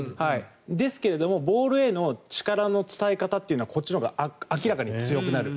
ですけど、ボールへの力の伝え方というのはこっちのが明らかに強くなる。